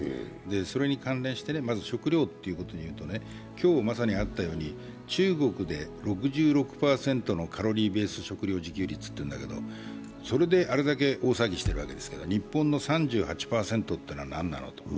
それに関連して、まず食料ということでいうと、今日まさにあったように中国で６６％のカロリーベース食料自給率というんだけど、それであれだけ大騒ぎしているわけですから日本の３８％ってのは何なのと。